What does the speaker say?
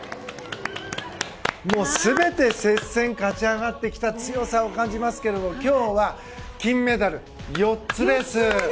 全て接戦を勝ち上がってきた強さを感じますけど今日は金メダル４つです。